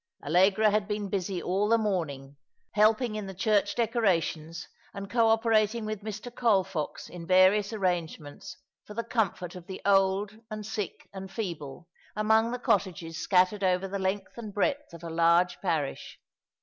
Allegra had been busy all the morning, helping in the church decorations, and co operating with Mr. Colfox in various arrangements for the comfort of the ^' N'o Sudden Fancy of an Ardent Boy.'^ 209 old and sick and feeble, among the cottages scattered over the length and breadth of a large parish.